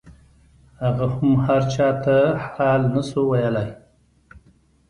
هغه هم هرچا ته حال نسو ويلاى.